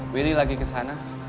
willy lagi kesana